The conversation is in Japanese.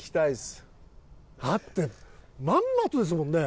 だってまんまとですもんね。